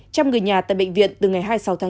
chăm người nhà tại bệnh viện từ ngày hai mươi sáu chín